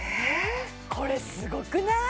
これすごくない？